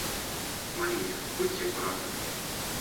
Мария, будьте аккуратна.